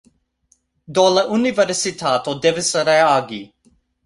Do, la universitato devis reagi